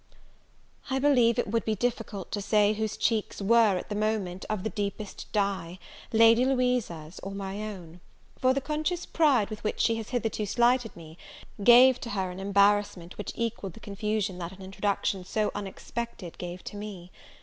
I believe it would be difficult to say whose cheeks were, at that moment, of the deepest dye, Lady Louisa's or my own; for the conscious pride with which she has hitherto slighted me, gave to her an embarrassment which equalled the confusion that an introduction so unexpected gave to me.